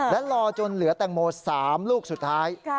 และรอจนเหลือแตงโม๓ลูกสุดท้าย